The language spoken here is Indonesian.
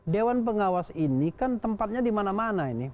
dewan pengawas ini kan tempatnya dimana mana ini